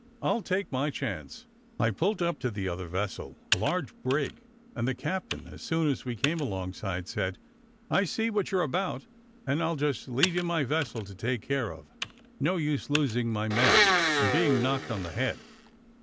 I'll take my chance." I pulled up to the other vessel, a large brig, and the captain, as soon as we came alongside, said, "I see what you're about, and I'll just leave you my vessel to take care of. No use losing my men, or being knocked on the head."